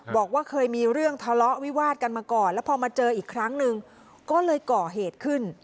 บอกว่าเคยมีเรื่องทะเลาะวิวาดกันมาก่อนแล้วพอมาเจออีกครั้งหนึ่งก็เลยก่อเหตุขึ้น